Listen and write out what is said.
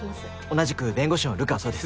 同じく弁護士の流川蒼です。